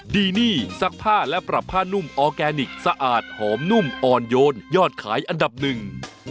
ดีนี่ซักผ้าและปรับผ้านุ่มออร์แกนิคสะอาดหอมนุ่มอ่อนโยนยอดขายอันดับหนึ่ง